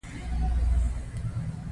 روغتونونه ولې باید پاک وي؟